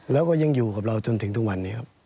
แล้วก็ยังอยู่กับเราจนถึงทุกวันนี้ครับ